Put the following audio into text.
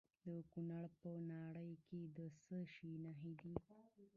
د کونړ په ناړۍ کې د څه شي نښې دي؟